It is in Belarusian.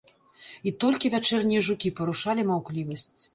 І толькі вячэрнія жукі парушалі маўклівасць.